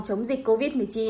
chống dịch covid một mươi chín